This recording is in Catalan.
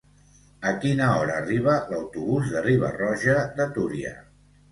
A quina hora arriba l'autobús de Riba-roja de Túria?